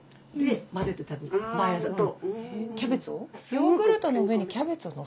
ヨーグルトの上にキャベツをのせるの？